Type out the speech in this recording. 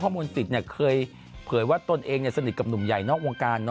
เพราะว่ามนศิษย์มีสนิทกับหนูมใหญ่อวกวงการ